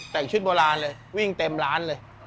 เตะชุดโบราณ็มร้าน